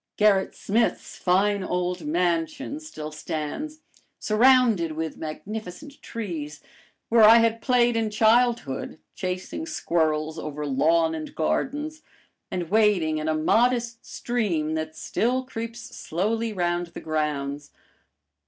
Gerrit Smith's fine old mansion still stands, surrounded with magnificent trees, where I had played in childhood, chasing squirrels over lawn and gardens and wading in a modest stream that still creeps slowly round the grounds.